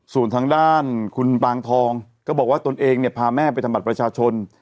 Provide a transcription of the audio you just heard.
ส่วนทางด้านคุณปางทองก็บอกว่าตนเองเนี่ยพาแม่ไปทำบัตรประชาชน